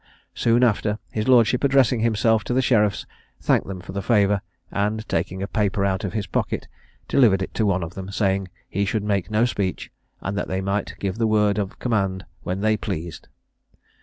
Soon after, his lordship, addressing himself to the sheriffs, thanked them for the favour, and, taking a paper out of his pocket, delivered it to one of them, saying he should make no speech, and that they might give the word of command when they pleased.